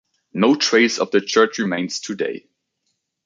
No trace of the church remains today.